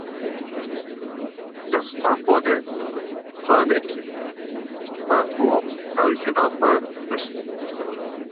Li Stenbolê kalekî, xwe û hevjîna xwe kuşt.